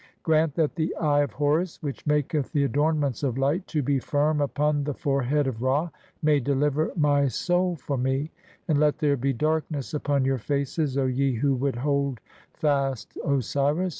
Grant that the Eye "of Horus, which maketh the adornments of light to be firm "upon the (7) forehead of Ra, may deliver my soul for me, and "let there be darkness upon your faces, O ye who would hold "fast Osiris.